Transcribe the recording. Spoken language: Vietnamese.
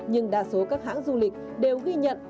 nhưng đa số các hãng du lịch đều ghi nhận